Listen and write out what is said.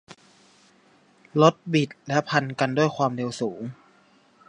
รถบิดและพันกันด้วยความเร็วสูง